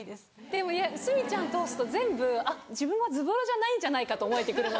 でもいや鷲見ちゃん通すと全部自分はズボラじゃないんじゃないかと思えてくるので。